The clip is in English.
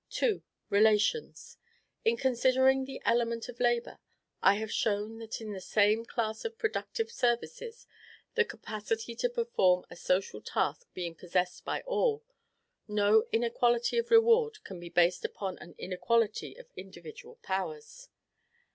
II. RELATIONS. In considering the element of labor, I have shown that in the same class of productive services, the capacity to perform a social task being possessed by all, no inequality of reward can be based upon an inequality of individual powers.